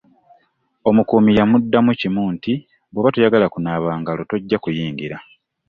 Omukuumi yamuddamu kimu nti bwoba toyagala kunaaba ngalo tojja kuyingira.